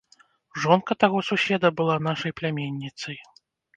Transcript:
Жонка таго суседа была нашай пляменніцай.